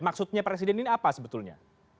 maksudnya presiden ini apa sebetulnya